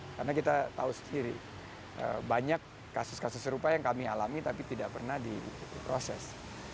karena kita tahu sendiri banyak kasus kasus serupa yang kami alami tapi tidak pernah diproses